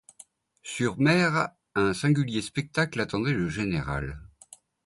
Sur mer, un singulier spectacle attendait le général.